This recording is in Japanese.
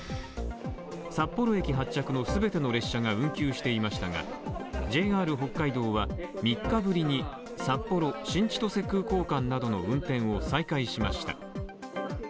札幌駅発着の全ての列車が運休していましたがＪＲ北海道は３日ぶりに札幌・新千歳空港間などの運転を再開しました。